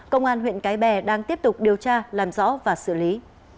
công an huyện cái bè đang tiếp tục điều tra làm rõ và xử lý